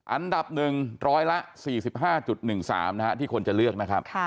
อันดับ๑ร้อยละ๔๕๑๓นะฮะที่คนจะเลือกนะครับ